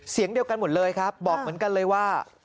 เสียงเดียวกันหมดเลยครับบอกเหมือนกันเลยว่า